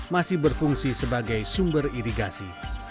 masih berfungsi sebagai sumber irigasi